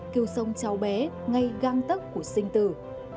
cứu sống cháu bé ngay găng tất của xã hội